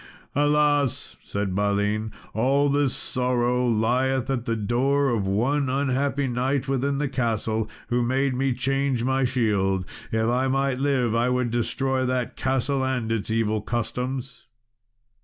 "Alas!" said Balin, "all this sorrow lieth at the door of one unhappy knight within the castle, who made me change my shield. If I might live, I would destroy that castle and its evil customs."